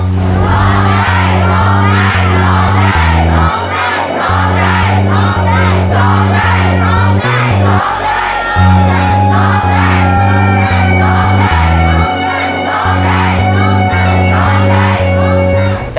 ร้องได้ร้องได้ร้องได้